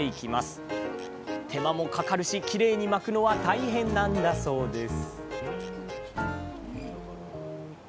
手間もかかるしきれいに巻くのは大変なんだそうです